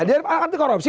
iya dia anti korupsi